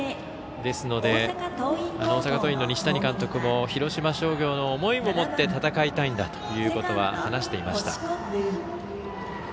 ですので、大阪桐蔭の西谷監督も広島商業の思いも持って戦いたいんだということは話していました。